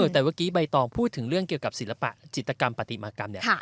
แต่เมื่อกี้ใบตองพูดถึงเรื่องเกี่ยวกับศิลปะจิตกรรมปฏิมากรรมเนี่ย